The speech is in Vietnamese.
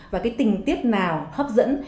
và tình tiết nào hấp dẫn